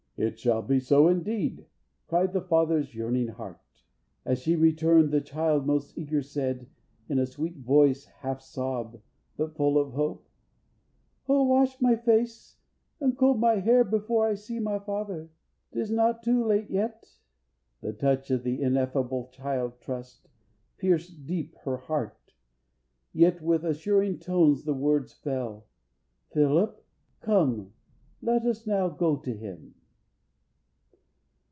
"It shall be So indeed!" cried the father's yearning heart. As she returned, the child most eager said, In a sweet voice half sob, but full of hope, "O wash my face and comb my hair, before I see my father 'tis not too late yet?" The touch of the ineffable child trust Pierced deep her heart, yet with assuring tones The words fell: "Philip, come, let us now go To him."